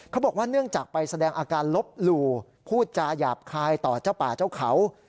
เนื่องจากไปแสดงอาการลบหลู่พูดจาหยาบคายต่อเจ้าป่าเจ้าเขา